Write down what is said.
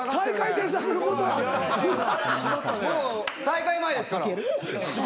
大会前ですから。